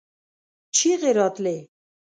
چيغې راتلې.